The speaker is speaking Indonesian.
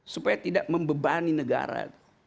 supaya tidak membebani negara